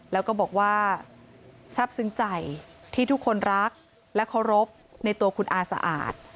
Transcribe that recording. แล้วก็บอกว่าทราบซึ้งใจที่ทุกคนรักและเคารพในตัวคุณอาสะอาด